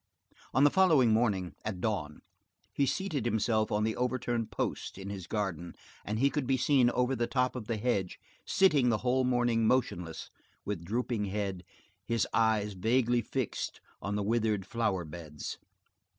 On the following morning, at dawn, he seated himself on the overturned post in his garden, and he could be seen over the top of the hedge, sitting the whole morning motionless, with drooping head, his eyes vaguely fixed on the withered flower beds.